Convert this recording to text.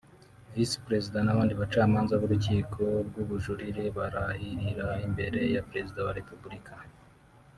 Visi Perezida n’abandi bacamanza b’Urukiko rw’Ubujurire barahirira imbere ya Perezida wa Repubulika